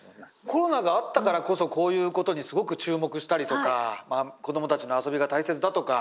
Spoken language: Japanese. コロナがあったからこそこういうことにすごく注目したりとか子どもたちの遊びが大切だとか